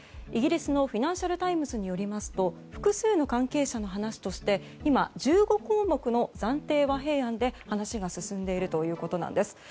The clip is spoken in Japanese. イギリスのフィナンシャル・タイムズによりますと複数の関係者の話として今１５項目の暫定和平案で話が進んでいるということなんです。